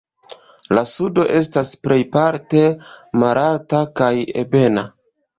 La sudo estas plejparte malalta kaj ebena.